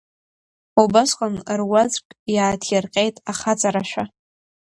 Убасҟан руаӡәк иааҭирҟьеит ахаҵарашәа.